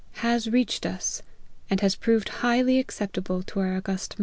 has reached us, and has proved highly acceptable to our august mind.